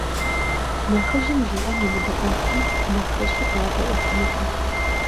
Нэхъыжьым жиӀэм емыдэӀуэфым, нэхъыщӀи къигъэдэӀуэфынукъым.